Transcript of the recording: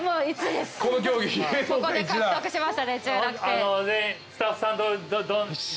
ここで獲得しましたね１６点。